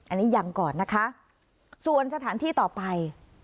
อันนี้ยังก่อนนะคะส่วนสถานที่ต่อไป